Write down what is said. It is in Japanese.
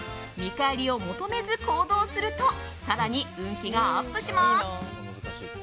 見返りを求めず行動すると更に運気がアップします。